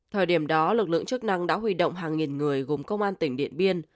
thời điểm đó lực lượng chức năng đã huy động hàng nghìn người gồm công an tỉnh điện biên